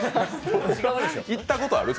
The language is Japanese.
行ったことある？